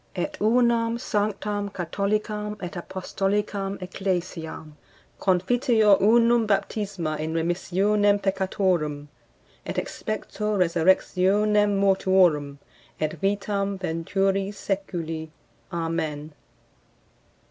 Et unam, sanctam, catholicam et apostolicam ecclesiam. Confiteor unum baptisma in remissionem peccatorum; et expecto resurrectionem mortuorum, et vitam venturi seculi. Amen.